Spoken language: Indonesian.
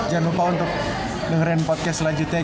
jangan lupa untuk dengerin podcast selanjutnya